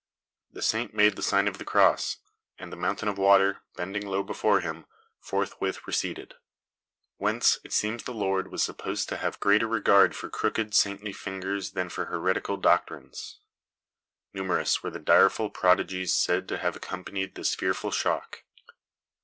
The Saint made the sign of the cross, and the mountain of water, bending low before him, forthwith receded." Whence, it seems the Lord was supposed to have greater regard for crooked saintly fingers than for heretical doctrines. Numerous were the direful prodigies said to have accompanied this fearful shock.